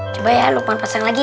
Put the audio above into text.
coba ya lupa pasangnya itu ps